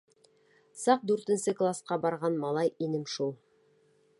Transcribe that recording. Саҡ дүртенсе класҡа барған малай инем шул.